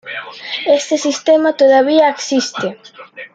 Este sistema todavía existe.